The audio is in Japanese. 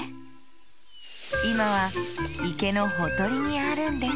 いまはいけのほとりにあるんです